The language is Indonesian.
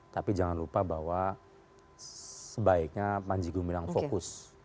tapi jangan lupa bahwa sebaiknya panji gumilang fokus